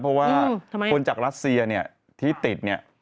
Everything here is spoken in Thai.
เพราะว่าคนจากรัสเซียเนี่ยที่ติดเนี่ย